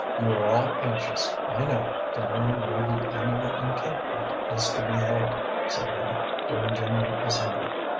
"You are all anxious, I know, to learn where the annual encampment is to be held," said he, during general assembly.